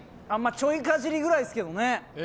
ちょいかじりぐらいですけどね。